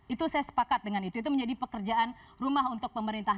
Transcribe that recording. itu saya sepakat dengan itu itu menjadi pekerjaan rumah untuk pemerintah